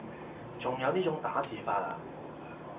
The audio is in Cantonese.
仲有呢種打字法啊